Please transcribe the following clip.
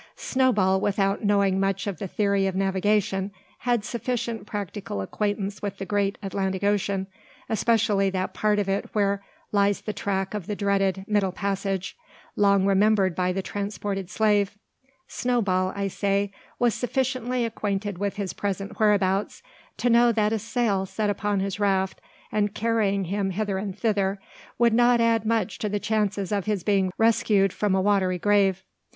Snowball, without knowing much of the theory of navigation, had sufficient practical acquaintance with the great Atlantic Ocean, especially that part of it where lies the track of the dreaded "middle passage," long remembered by the transported slave, Snowball, I say, was sufficiently acquainted with his present whereabouts, to know that a sail set upon his raft, and carrying him hither and thither, would not add much to the chances of his being rescued from a watery grave.